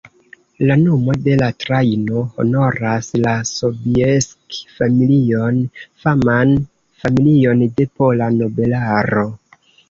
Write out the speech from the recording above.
La nomo de la trajno honoras la Sobieski-familion, faman familion de pola nobelaro.